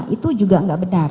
itu juga enggak benar